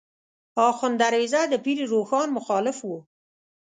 آخوند دروېزه د پیر روښان مخالف و.